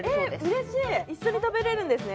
うれしい一緒に食べれるんですね